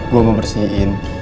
gue mau bersihin